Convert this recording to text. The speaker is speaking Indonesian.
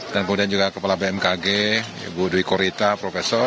dan kemudian juga kepala bmkg ibu dwi korita profesor